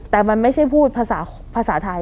แต่มันไม่ใช่พูดภาษาภาษาไทย